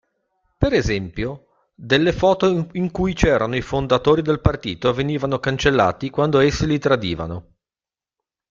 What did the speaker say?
Per esempio, delle foto in cui c'erano i fondatori del partito venivano cancellati quando essi li tradivano.